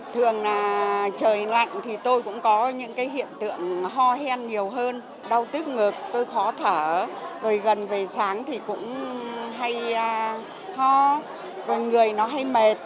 thường trời lạnh thì tôi cũng có những hiện tượng ho hen nhiều hơn đau tức ngực tôi khó thở gần về sáng thì cũng hay ho người nó hay mệt